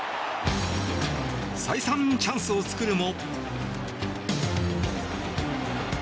再三チャンスを作るも。